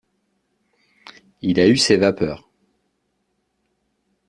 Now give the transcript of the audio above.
Il a eu ses vapeurs.